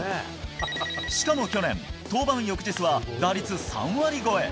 しかも去年、登板翌日は打率３割超え。